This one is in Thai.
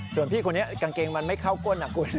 ส่วนพี่คนนี้กางเกงมันไม่เข้าก้นนะคุณ